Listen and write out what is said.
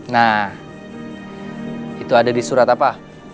nah itu ada di surat apa